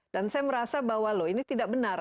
dan saya merasa bahwa ini tidak benar